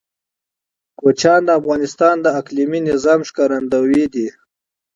کوچیان د افغانستان د اقلیمي نظام ښکارندوی ده.